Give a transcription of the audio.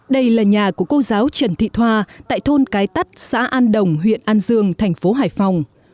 đây là nhà của cô giáo trần thị thoa tại thôn cái tắt xã an đồng huyện an dương thành phố hải phòng